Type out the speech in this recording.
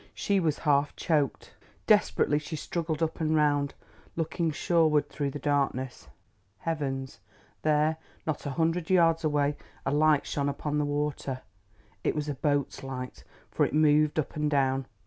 She was half choked. Desperately she struggled up and round, looking shoreward through the darkness. Heavens! there, not a hundred yards away, a light shone upon the waters. It was a boat's light, for it moved up and down.